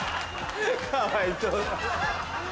かわいそう。